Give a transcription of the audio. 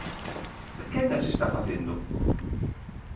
¿Quen as está facendo?